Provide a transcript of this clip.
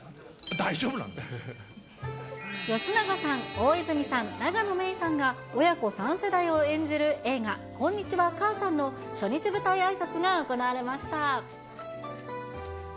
吉永さん、大泉さん、永野芽郁さんが親子３世代を演じる映画、こんにちは、母さんの初日舞台あいさつが行われました。